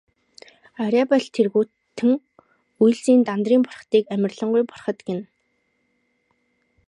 Арьяабал тэргүүтэн үйлсийн Дандарын бурхдыг амарлингуй бурхад гэнэ.